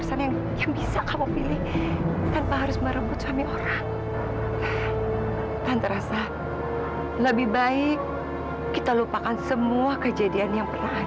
sampai jumpa di video selanjutnya